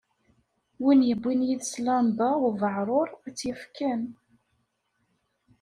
Win yewwin yid-s llamba ubeεṛur ad tt-yaf kan.